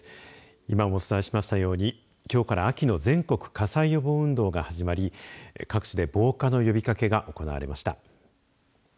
今もお伝えしましたようにきょうから秋の全国火災予防運動が始まり各地で防火の呼びかけが行われました。